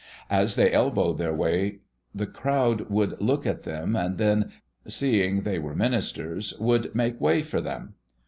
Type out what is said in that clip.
As they elbowed their way, the crowd would look at them and then, seeing they were ministers, would make way for them.